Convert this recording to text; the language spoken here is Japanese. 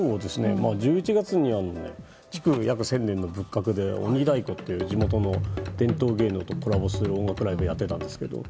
１１月に築約１０００年の仏閣で地元の伝統芸能とコラボするのをやっていたんですけど。